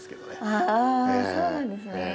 ああそうなんですね。